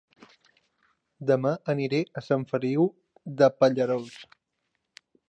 Dema aniré a Sant Feliu de Pallerols